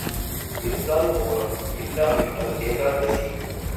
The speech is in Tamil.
இருந்தால் ஓணம் இல்லா விட்டால் ஏகாதசி.